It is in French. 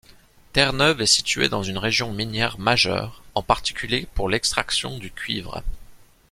Terre-Neuve est située dans une région minière majeure, en particulier pour l'extraction du cuivre.